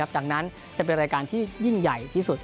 ดังนั้นจะเป็นรายการที่ยิ่งใหญ่ที่สุด